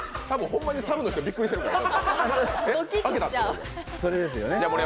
ホンマにサブの人びっくりしてるから。